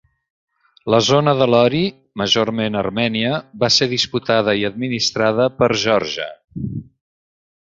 La zona de Lori, majorment armènia, va ser disputada i administrada per Geòrgia.